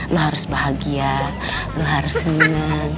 lo harus bahagia lo harus seneng